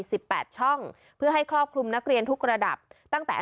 สิบแปดช่องเพื่อให้ครอบคลุมนักเรียนทุกระดับตั้งแต่